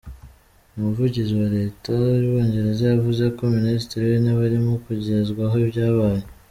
Umuvugizi wa leta y'Ubwongereza yavuze ko ministri w'intebe arimo kugezwaho ibyabaye.